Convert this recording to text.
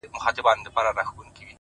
• چي خوشحال په زړه زخمي ورڅخه ولاړی,